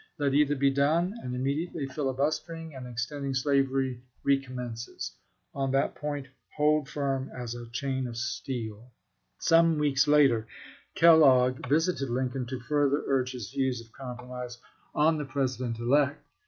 Let either be done, and immediately filibustering and extending slavery recommences. On that point hold firm as a chain of steel. Some weeks later Kellogg visited Lincoln to further urge his views of compromise on the Presi 1 It would have been well had need his consistency.